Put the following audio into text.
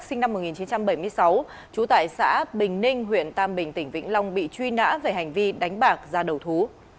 sinh năm một nghìn chín trăm bảy mươi sáu trú tại xã bình ninh huyện tam bình tỉnh vĩnh long bị truy nã về hành vi đánh bạc ra đầu thú